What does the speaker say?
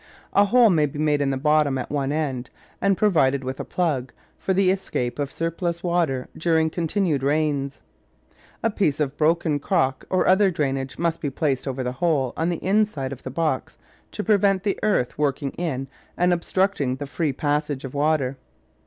A hole may be made in the bottom at one end, and provided with a plug, for the escape of surplus water during continued rains. A piece of broken crock or other drainage must be placed over the hole on the inside of the box to prevent the earth working in and obstructing the free passage of water.